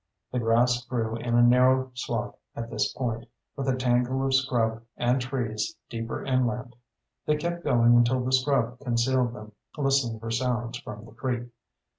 The grass grew in a narrow swath at this point, with a tangle of scrub and trees deeper inland. They kept going until the scrub concealed them, listening for sounds from the creek.